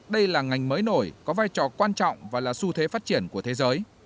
đây là ngành mới nổi có vai trò quan trọng và là xu thế phát triển của thế giới